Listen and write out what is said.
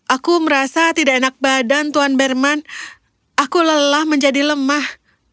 aku merasa tidak enak badan tuan berman aku lelah menjadi lemah